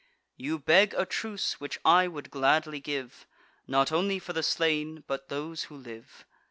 You beg a truce, which I would gladly give, Not only for the slain, but those who live.